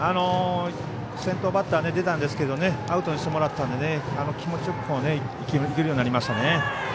先頭バッター出たんですけどアウトにしてもらったので気持ちよくいけるようになりましたね。